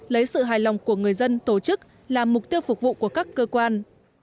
lấy sự hài lòng của người dân tổ chức là mục tiêu phục vụ của các cơ quan